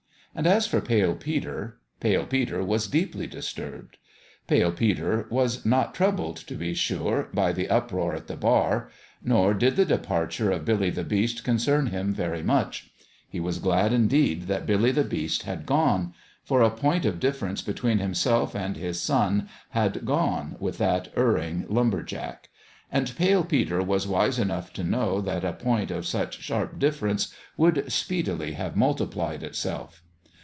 And as for Pale Peter Pale Peter was deeply disturbed. Pale Peter was not troubled, to be sure, by the uproar in the bar; nor did the departure of Billy the Beast concern him very much. He was glad, indeed, that Billy the Beast had gone : for a point of difference between himself and his son had gone with that erring lumber jack ; and Pale 316 THE END OF THE GAME Peter was wise enough to know that a point of such sharp difference would speedily have multi plied itself.